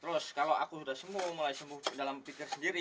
terus kalau aku sudah sembuh mulai sembuh dalam pikir sendiri